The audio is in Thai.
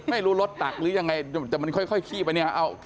ไม่รู้รถตักหรือยังไงแต่มันค่อยขี้ไปเนี่ย